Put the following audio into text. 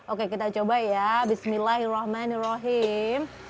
oke kita coba ya bismillahirrahmanirrahim